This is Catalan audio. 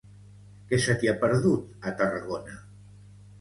Què se t'hi ha perdut, a Tarragona?